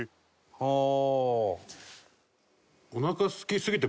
はあ。